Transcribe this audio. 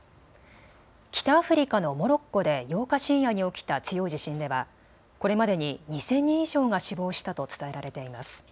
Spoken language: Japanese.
北アフリカのモロッコで８日深夜に起きた強い地震ではこれまでに２０００人以上が死亡したと伝えられています。